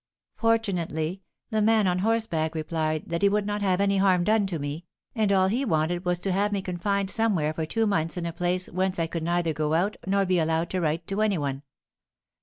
Fortunately, the man on horseback replied that he would not have any harm done to me, and all he wanted was to have me confined somewhere for two months in a place whence I could neither go out nor be allowed to write to any one.